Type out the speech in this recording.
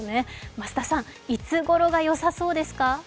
増田さん、いつごろがよさそうですか？